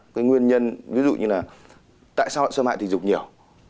cái nguyên nhân ví dụ như là tại sao lại xâm hại tình dục nhiều